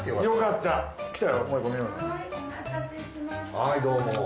はいどうも。